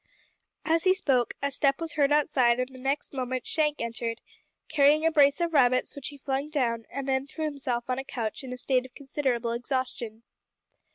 As he spoke a step was heard outside, and next moment Shank entered, carrying a brace of rabbits which he flung down, and then threw himself on a couch in a state of considerable exhaustion.